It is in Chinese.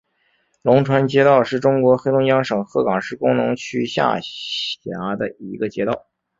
龙山街道是中国黑龙江省鹤岗市工农区下辖的一个街道。